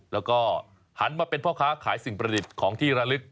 แล้วก็หันมาเป็นพ่อค้าขายสิ่งประดิษฐ์ของที่ระลึก